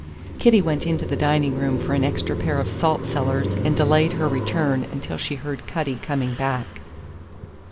Kitty went into the dining room for an extra pair of salt cellars and delayed her return until she heard Cutty coming back.